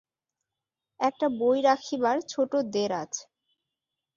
একটা বই রাখিবার ছোট দেরাজ।